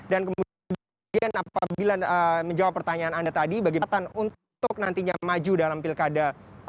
dan kemudian apabila menjawab pertanyaan anda tadi bagaimana untuk nantinya maju dalam pilkada dua ribu dua puluh